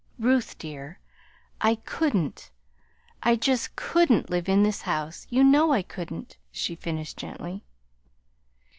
"Ruth, dear, I couldn't I just couldn't live in this house. You know I couldn't," she finished gently.